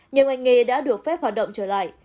nhiều ngành nghề đã được phép hoạt động trở lại